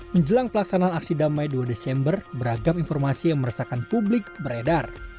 menjelang pelaksanaan aksi damai dua desember beragam informasi yang meresahkan publik beredar